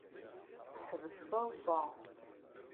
Ḥbes taḍsa.